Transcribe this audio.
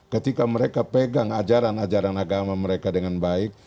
ketika mereka pegang ajaran ajaran agama mereka dengan baik